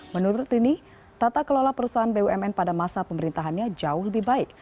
menurut rini tata kelola perusahaan bumn pada masa pemerintahannya jauh lebih baik